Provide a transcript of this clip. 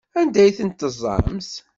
Anda ay tent-teẓẓamt?